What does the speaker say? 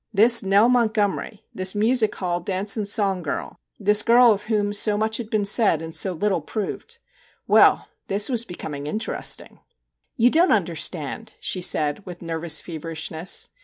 This Nell Montgomery, this music hall ' dance MR. JACK HAMLIN'S MEDIATION i$ and song girl,' this girl of whom so much had been said and so little proved ! Well this was becoming interesting. * You don't understand,' she said, with nervous feverishness.